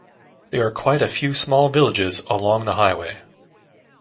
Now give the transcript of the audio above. There are quite a few small villages along the highway.